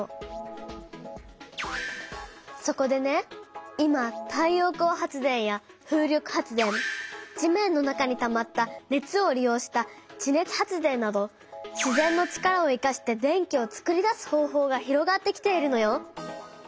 そこでね今太陽光発電や風力発電地面の中にたまった熱を利用した地熱発電などしぜんの力を生かして電気をつくり出す方法が広がってきているのよ。